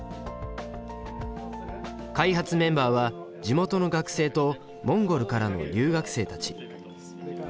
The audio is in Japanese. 開発メンバーは地元の学生とモンゴルからの留学生たち。